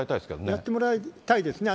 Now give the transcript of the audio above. やってもらいたいですね。